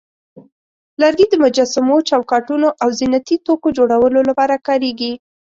لرګي د مجسمو، چوکاټونو، او زینتي توکو جوړولو لپاره کارېږي.